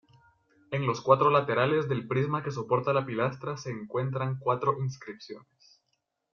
En los cuatro laterales del prisma que soporta la pilastra se encuentran cuatro inscripciones.